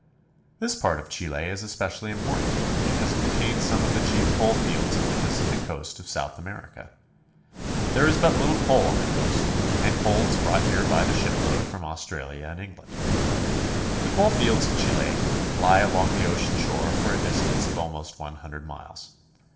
This part of Chile is especially important because it contains some of the chief coal fields of the Pacific coast of South America. There is but little coal on the coast, and coal is brought here by the shipload from Australia and England. The coal fields of Chile lie along the ocean shore for a distance of almost one hundred miles.